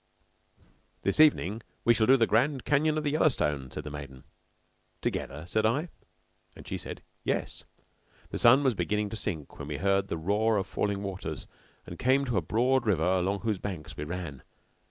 "This evening we shall do the Grand Canyon of the Yellowstone," said the maiden. "Together?" said I; and she said, "Yes." The sun was beginning to sink when we heard the roar of falling waters and came to a broad river along whose banks we ran.